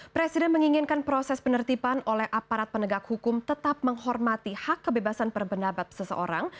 presiden menginginkan proses penertiban oleh aparat penegak hukum tetap menghormati hak kebebasan berpendapat seseorang